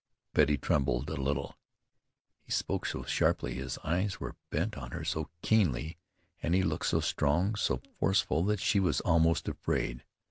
Betty trembled a little. He spoke so sharply, his eyes were bent on her so keenly, and he looked so strong, so forceful that she was almost afraid.